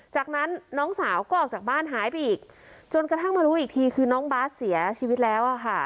จากนั้นน้องสาวก็ออกจากบ้านหายไปอีกจนกระทั่งมารู้อีกทีคือน้องบาสเสียชีวิตแล้วอะค่ะ